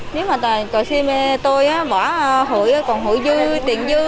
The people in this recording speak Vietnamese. nếu mà tôi bỏ hụi còn hụi dư tiền dư